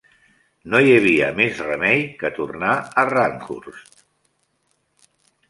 No hi havia més remei que tornar a Randhurst.